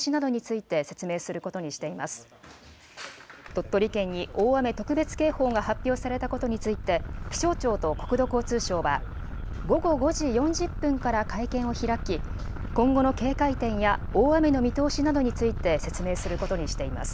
鳥取県に大雨特別警報が発表されたことについて、気象庁と国土交通省は、午後５時４０分から会見を開き、今後の警戒点や大雨の見通しなどについて説明することにしています。